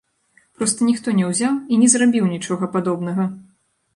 Проста ніхто не ўзяў і не зрабіў нічога падобнага!